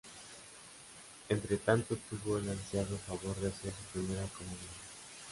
Entretanto obtuvo el ansiado favor de hacer su primera comunión.